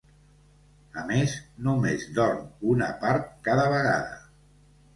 A més, només dorm una part cada vegada.